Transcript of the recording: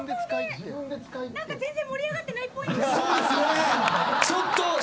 全然盛り上がってないっぽい。